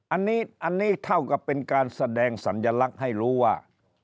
อันนี้เท่ากับเป็นการแสดงสัญลักษณ์ให้รู้ว่า